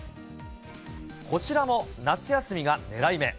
こちらも夏休みが狙い目。